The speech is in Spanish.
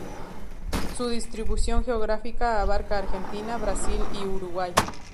Su distribución geográfica abarca Argentina, Brasil y Uruguay.